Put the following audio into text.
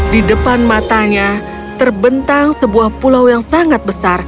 di depan matanya terbentang sebuah pulau yang sangat besar